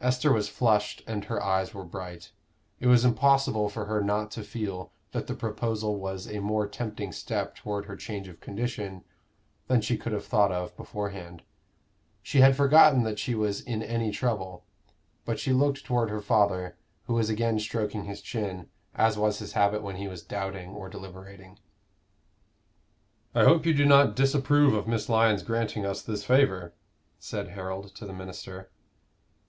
Esther was flushed and her eyes were bright. It was impossible for her not to feel that the proposal was a more tempting step toward her change of condition than she could have thought of beforehand. She had forgotten that she was in any trouble. But she looked toward her father, who was again stroking his chin, as was his habit when he was doubting or deliberating. "I hope you do not disapprove of Miss Lyon's granting us this favor?" said Harold to the minister.